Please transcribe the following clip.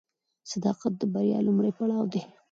صداقت د بریا لومړی پړاو دی.